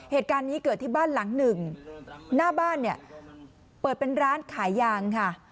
เหตุการณ์นี้เกิดที่บ้านหลังหนึ่งหน้าบ้านเนี่ยเปิดเป็นร้านขายยางค่ะ